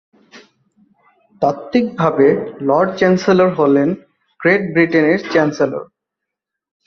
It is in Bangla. তাত্ত্বিকভাবে, লর্ড চ্যান্সেলর হলেন গ্রেট ব্রিটেনের চ্যান্সেলর।